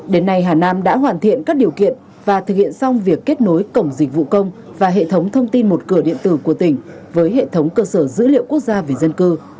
đến nay hà nam đã hoàn thiện các điều kiện và thực hiện xong việc kết nối cổng dịch vụ công và hệ thống thông tin một cửa điện tử của tỉnh với hệ thống cơ sở dữ liệu quốc gia về dân cư